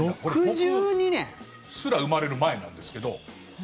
僕すら生まれる前なんですけど。